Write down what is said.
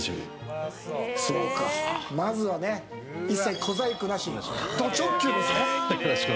そうかまずは一切小細工なしのど直球ですね。